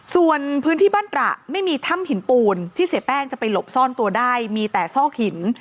ส่วนพื้นที่บ้านตระไม่มีถ้ำหินปูนที่เสียแป้งจะไปหลบซ่อนตัวได้มีแต่ซอกหิน